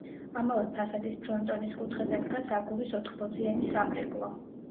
ამავე ფასადის ფრონტონის კუთხეზე დგას აგურის ოთხბოძიანი სამრეკლო.